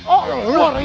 oh lo luar biasa